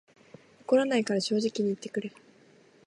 怒らないから正直に言ってくれ